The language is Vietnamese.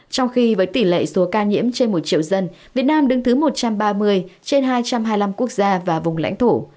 trong khi với tỷ lệ số ca nhiễm trên một triệu dân việt nam đứng thứ một trăm ba mươi trên hai trăm hai mươi năm quốc gia và vùng lãnh thổ